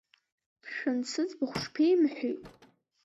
Мшәан, сыӡбахә шԥеимҳәеи?